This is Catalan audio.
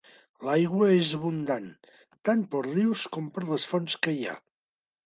L'aigua és abundant, tant pels rius com per les fonts que hi ha.